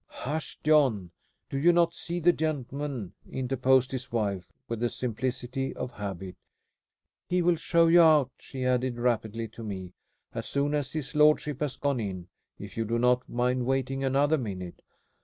"Hush, John. Do you not see the gentleman?" interposed his wife, with the simplicity of habit. "He will show you out," she added rapidly to me, "as soon as his lordship has gone in, if you do not mind waiting another minute."